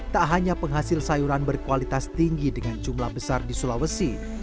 tak hanya penghasil sayuran berkualitas tinggi dengan jumlah besar di sulawesi